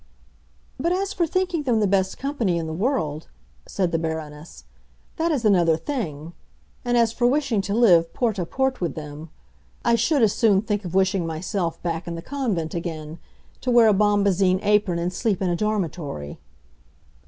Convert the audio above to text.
"But as for thinking them the best company in the world," said the Baroness, "that is another thing; and as for wishing to live porte à porte with them, I should as soon think of wishing myself back in the convent again, to wear a bombazine apron and sleep in a dormitory."